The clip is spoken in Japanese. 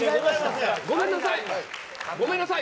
ごめんなさい！